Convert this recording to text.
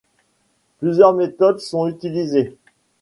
Plusieurs méthodes sont utilisées.